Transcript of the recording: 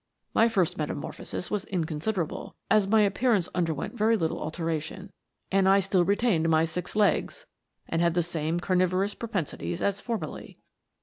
" My first metamorphosis was inconsiderable, as my appearance underwent very little alteration, and I still retained my six legs, and had the same car nivorous propensities as formerly.